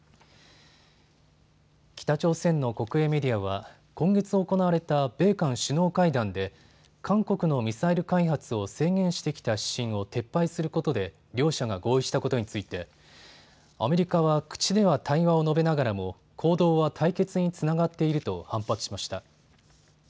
北朝鮮の国営メディアは今月行われた米韓首脳会談で韓国のミサイル開発を制限してきた指針を撤廃することで両者が合意したことについてアメリカは口では対話を述べながらも行動は対決につながっていると反発しました。